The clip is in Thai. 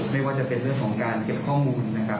ไม่ว่าจะเป็นเรื่องของการเก็บข้อมูลนะครับ